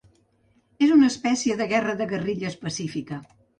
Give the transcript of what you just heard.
És una espècie de guerra de guerrilles pacífica.